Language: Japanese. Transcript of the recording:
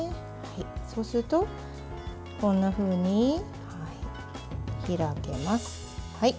そうするとこんなふうに開けます。